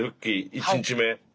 １日目